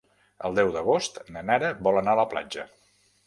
El deu d'agost na Nara vol anar a la platja.